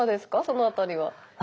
その辺りは。